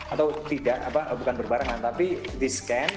atau bukan berbarengan tapi discan